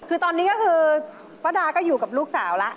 คือตอนนี้ก็คือป้าดาก็อยู่กับลูกสาวแล้ว